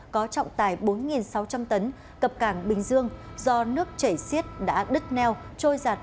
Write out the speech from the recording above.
có trọng tài bốn sáu trăm linh tấn cập cảng bình dương do nước chảy xiết đã đứt neo trôi giạt